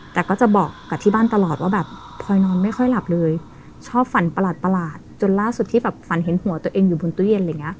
แต่ก็จะบอกกับที่บ้านตลอดว่าแบบพลอยนอนไม่ค่อยหลับเลยชอบฝันประหลาดจนล่าสุดที่แบบฝันเห็นหัวตัวเองอยู่บนตู้เย็นอะไรอย่างเงี้